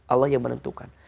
allah yang menentukan